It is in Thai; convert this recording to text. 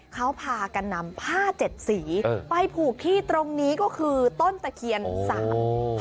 เขาพากันนำผ้าเจ็ดสีไปผูกที่ตรงนี้ก็คือต้นตะเคียนสาม